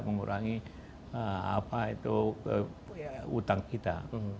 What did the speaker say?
mengurangi utang kita